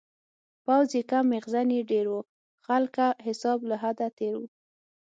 پوځ یې کم میخزن یې ډیر و-خلکه حساب له حده تېر و